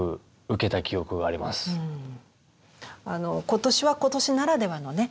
今年は今年ならではのね